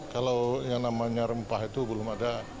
kalau yang namanya rempah itu belum ada